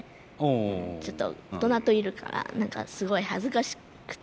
ちょっと大人といるから何かすごい恥ずかしくて。